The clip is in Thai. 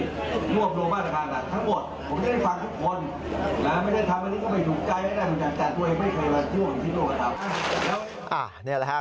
แต่ตัวเองไม่เคยรันที่ด้วยกับพระเทพ